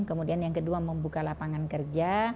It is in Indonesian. kemudian yang kedua membuka lapangan kerja